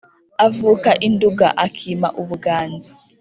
Avuka i Nduga akima u Buganza,